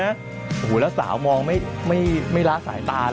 โอ้โหแล้วสาวมองไม่ล้าสายตาเลย